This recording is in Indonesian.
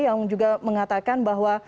yang juga mengatakan bahwa